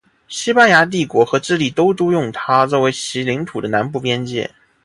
西班牙帝国和智利都督用它作为其领土的南部边界。